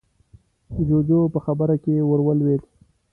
جُوجُو په خبره کې ورولوېد: